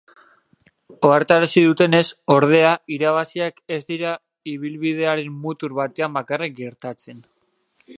Ohartarazi dutenez, ordea, irabaziak ez dira ibilbidearen mutur batean bakarrik gertatzen.